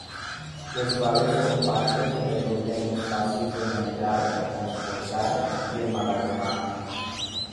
Les bales compactes resulten més fàcils de manejar, transportar i emmagatzemar.